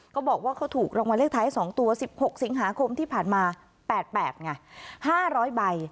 เขาบอกว่าเขาถูกรางวัลเลขท้าย๒ตัว๑๖สิงหาคมที่ผ่านมา๘๘ไง๕๐๐ใบ